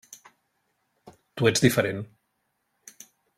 Tu ets diferent.